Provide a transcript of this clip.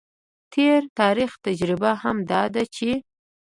د تیر تاریخ تجربه هم دا ده چې